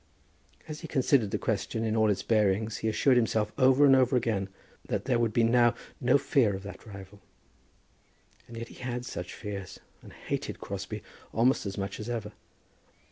As he considered the question in all its bearings he assured himself over and over again that there would be now no fear of that rival; and yet he had such fears, and hated Crosbie almost as much as ever.